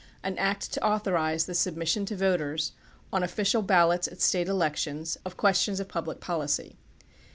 AN ACT TO AUTHORIZE THE SUBMISSION TO VOTERS, ON OFFICIAL BAL LOTS AT STATE ELECTIONS, OF QUESTIONS OF PUBLIC POLICY.